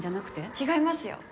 違いますよ